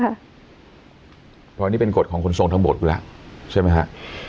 เพราะอันนี้เป็นกฎของคุณทั้งหมดแล้วใช่ไหมฮะ